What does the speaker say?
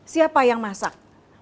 siapa yang masak